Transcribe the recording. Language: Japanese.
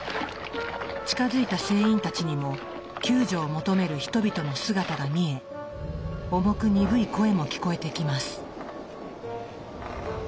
近づいた船員たちにも救助を求める人々の姿が見え重く鈍い声も聞こえてきます。